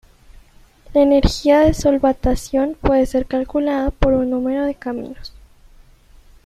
La energía de solvatación puede ser calculada por un número de caminos.